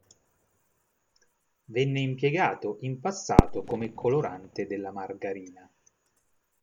Venne impiegato in passato come colorante della margarina.